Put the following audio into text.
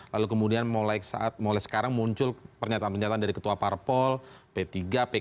lalu kemudian mulai sekarang muncul pernyataan pernyataan dari ketua presiden